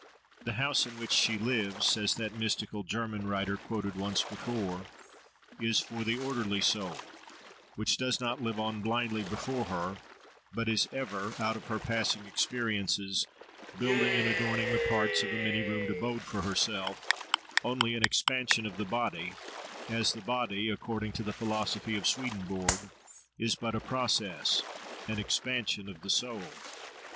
"The house in which she lives," says that mystical German writer quoted once before, "is for the orderly soul, which does not live on blindly before her, but is ever, out of her passing experiences, building and adorning the parts of a many roomed abode for herself, only an expansion of the body; as the body, according to the philosophy of Swedenborg,+ is but a process, an expansion, of the soul.